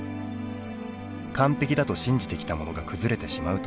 「完璧だと信じてきたものが崩れてしまう」という現実に向き合い